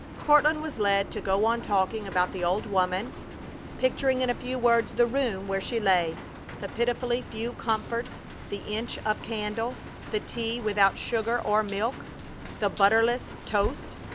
Courtland was led to go on talking about the old woman, picturing in a few words the room where she lay, the pitifully few comforts, the inch of candle, the tea without sugar or milk, the butterless toast!